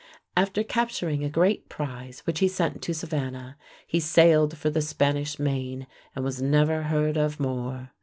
After capturing a great prize, which he sent to Savannah, he sailed for the Spanish main and was never heard of more.